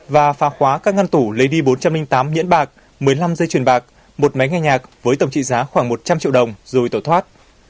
và phá khóa các ngăn tủ lấy đi bốn trăm linh tám nhẫn bạc một mươi năm dây chuyền bạc một máy nghe nhạc với tổng trị giá khoảng một trăm linh triệu đồng rồi tổ thoát